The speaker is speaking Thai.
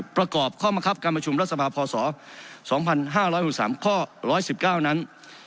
ประกอบข้อมังคับการประชุมรัฐสภาพศ๒๕๖๓ข้อ๑๑๙นั้น